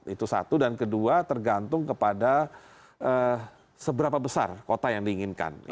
itu satu dan kedua tergantung kepada seberapa besar kota yang diinginkan